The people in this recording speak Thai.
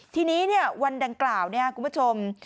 ทีนี้เนี่ยวันดังกล่าวเนี่ยคุณผู้ชม